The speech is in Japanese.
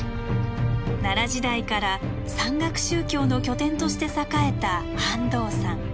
奈良時代から山岳宗教の拠点として栄えた飯道山。